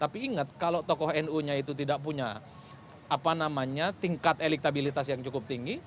tapi ingat kalau tokoh nu nya itu tidak punya tingkat elektabilitas yang cukup tinggi